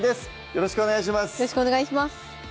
よろしくお願いします